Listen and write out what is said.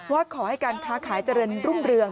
ว่าขอให้การค้าขายเจริญรุ่งเรือง